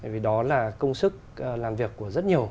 vì đó là công sức làm việc của rất nhiều